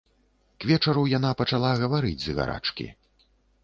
К вечару яна пачала гаварыць з гарачкі.